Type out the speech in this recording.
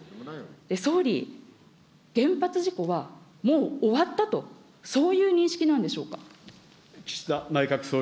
総理、原発事故はもう終わったと、そういう認識なんでしょうか。